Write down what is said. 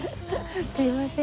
すいません。